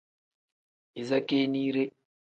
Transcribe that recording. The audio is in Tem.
Iza keeniire.